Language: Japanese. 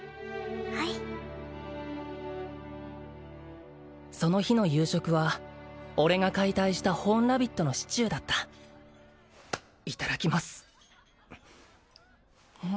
はいその日の夕食は俺が解体したホーンラビットのシチューだったいただきます